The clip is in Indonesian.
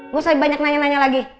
gak usah banyak nanya nanya lagi